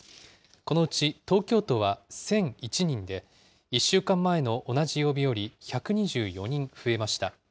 このうち東京都は、１００１人で、１週間前の同じ曜日より１２４人増えました。